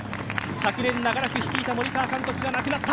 昨年長らく率いた森川監督が亡くなった。